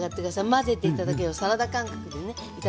混ぜて頂ければサラダ感覚でね頂けると思う。